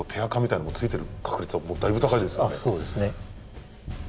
あっそうですね。